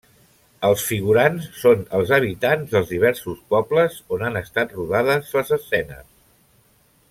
Els figurants són els habitants dels diversos pobles on han estat rodades les escenes.